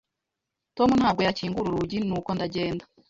Tom ntabwo yakingura urugi, nuko ndagenda.